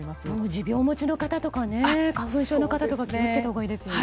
持病持ちの方とか花粉症の方とか気を付けたほうがいいですね。